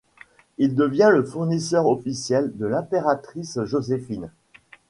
Il devient le fournisseur officiel de l'impératrice Joséphine.